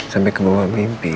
sampe kebawa mimpi kan